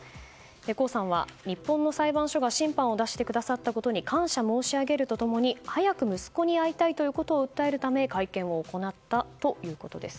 江さんは日本の裁判所が審判を出してくささったことに感謝申し上げると共に早く息子に会いたいということを訴えるため会見を行ったということです。